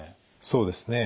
そうですね。